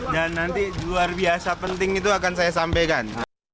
dan nanti luar biasa penting itu akan saya sampaikan